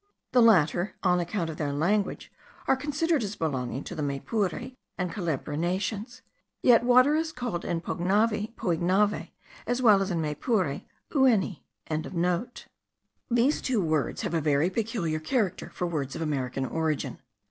The latter, on account of their language, are considered as belonging to the Maypure and Cabre nations; yet water is called in Poignave, as well as in Maypure, oueni.) These two words have a very peculiar character for words of American origin.